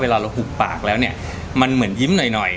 เราหุบปากแล้วเนี่ยมันเหมือนยิ้มหน่อย